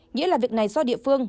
nghĩa là việc này do địa phương